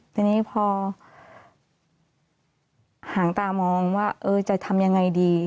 ทีนี้พอหางตามองว่าจะทำยังไงดี